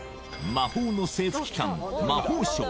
魔法の政府機関魔法省